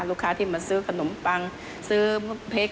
ลูกค้าที่มาซื้อขนมปังซื้อพริก